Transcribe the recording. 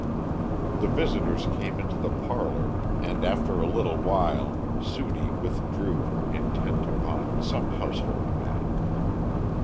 The visitors came into the parlor, and after a little while Sudie withdrew, intent upon some household matter.